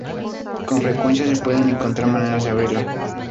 con frecuencia se pueden encontrar maneras de abrirlo